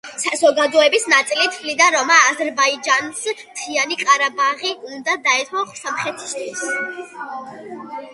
საზოგადოების ნაწილი თვლიდა, რომ აზერბაიჯანს მთიანი ყარაბაღი უნდა დაეთმო სომხეთისთვის.